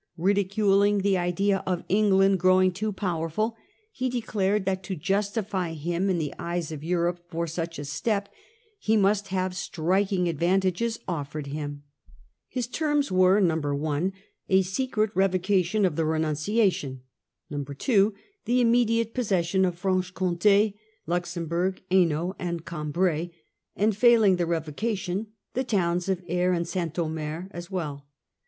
Ridiculing the idea of England growing too powerful, he declared that to justify him in the eyes of Europe for such a step he must have striking Louis's advantages offered him. His terms were, (i) a terms. secret revocation of the renunciation 3 (2) the immediate possession of Franche Comt6, Luxemburg, Hainault, and Cambrai; and, failing the revocation, the towns of Aire and St. Omer as well.